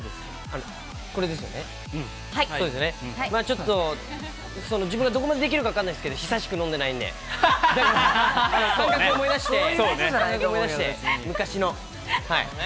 ちょっと、自分がどこまでできるか分かんないですけど、久しく飲んでないんで、思い出して、思い出して、昔の。